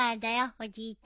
おじいちゃん。